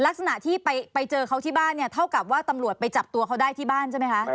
ลักษณะที่ไปเจอเขาที่บ้านเนี่ยเท่ากับว่าตำรวจไปจับตัวเขาได้ที่บ้านใช่ไหมคะ